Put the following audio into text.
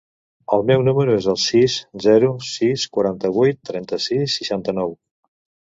El meu número es el sis, zero, sis, quaranta-vuit, trenta-sis, seixanta-nou.